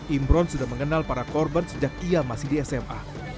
imron sudah mengenal para korban sejak ia masih di sma